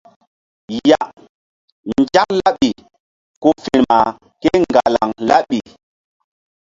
Ya Nzak laɓi ku firma kéŋgalaŋ laɓi.